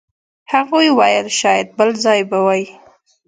هغوی ویل شاید بل ځای به وئ.